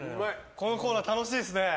このコーナー楽しいですね。